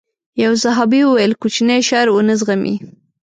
يو صحابي وويل کوچنی شر ونه زغمي.